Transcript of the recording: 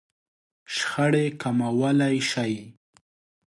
-شخړې کموالی شئ